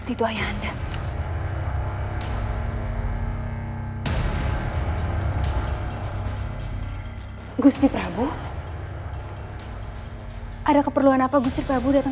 iya mbak m pinkyat vain